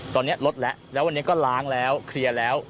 ตอนนี้ลดแล้วแล้ววันนี้ก็ล้างแล้วเคลียร์แล้ว